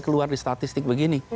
keluar di statistik begini